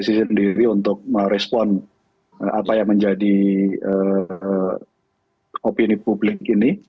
saya sendiri untuk merespon apa yang menjadi opini publik ini